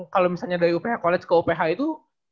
kalau misalnya dari uph koleksi ke uph itu